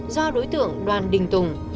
do đối tượng đoàn đình tùng